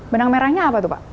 benang merahnya apa tuh pak